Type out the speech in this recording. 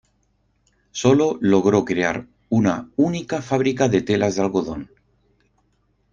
Solo logró crear una única fábrica de telas de algodón.